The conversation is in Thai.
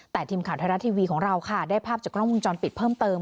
แต่ทีมข่าวไทยรัฐทีวีของเราค่ะได้ภาพจากกล้องวงจรปิดเพิ่มเติม